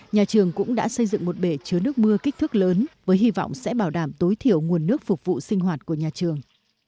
nhà trường cũng đã xây dựng một bể chứa nước mưa kích thước lớn với hy vọng sẽ bảo đảm tối thiểu nguồn nước phục vụ sinh hoạt của nhà trường